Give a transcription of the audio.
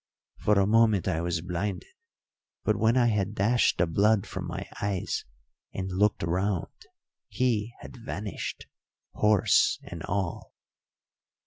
For a moment I was blinded; but when I had dashed the blood from my eyes and looked round he had vanished, horse and all.